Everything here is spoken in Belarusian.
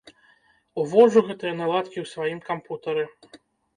Уводжу гэтыя наладкі ў сваім кампутары.